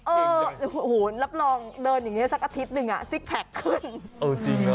โอ้โฮรับรองเดินอย่างนี้สักอาทิตย์นึงสิกแพคขึ้น